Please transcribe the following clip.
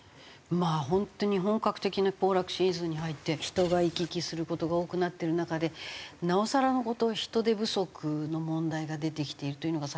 まあ本当に本格的な行楽シーズンに入って人が行き来する事が多くなってる中でなおさらの事人手不足の問題が出てきているというのが。